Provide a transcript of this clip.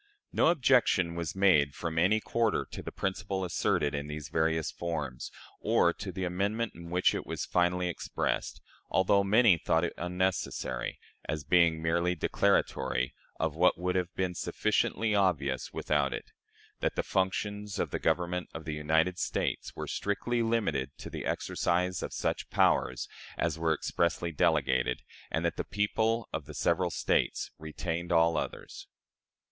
No objection was made from any quarter to the principle asserted in these various forms; or to the amendment in which it was finally expressed, although many thought it unnecessary, as being merely declaratory of what would have been sufficiently obvious without it that the functions of the Government of the United States were strictly limited to the exercise of such powers as were expressly delegated, and that the people of the several States retained all others.